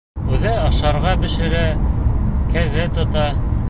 Үҙе ашарға бешерә, кәзә тота.